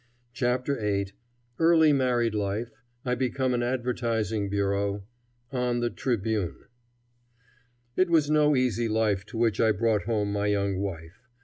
"] CHAPTER VIII EARLY MARRIED LIFE; I BECOME AN ADVERTISING BUREAU; ON THE "TRIBUNE" It was no easy life to which I brought home my young wife.